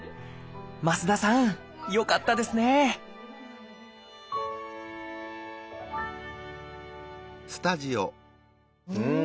増田さんよかったですねうん！